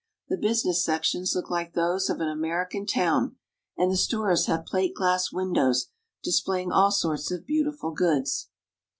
The business sections look like those of an American town, and the stores have plate glass windows, displaying all sorts of beautiful goods.